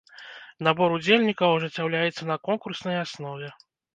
Набор удзельнікаў ажыццяўляецца на конкурснай аснове.